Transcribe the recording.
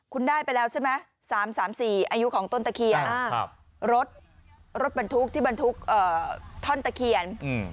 คุณได้ไปแล้วใช่ไหม๓๓๔อายุของต้นตะเคียนรถบรรทุกที่บรรทุกท่อนตะเคียน